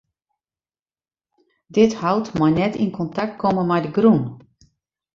Dit hout mei net yn kontakt komme mei de grûn.